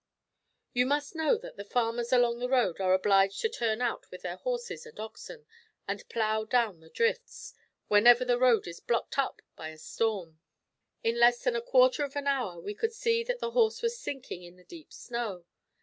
You must know that the farmers along the road are obliged to turn out with their horses and oxen, and plough down the drifts, whenever the road is blocked up by a storm. In less than a quarter of an hour we could see that the horse was sinking in the deep snow.